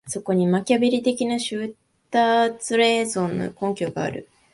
そこにマキァヴェリ的なシュターツ・レーゾンの根拠がある。